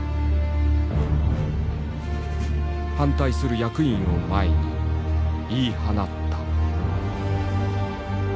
反対する役員を前に言い放った。